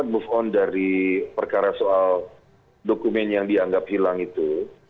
move on dari perkara soal dokumen yang dianggap hilang itu